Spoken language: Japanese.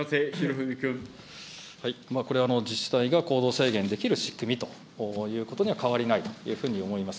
これは自治体が行動制限できる仕組みということには変わりないというふうに思います。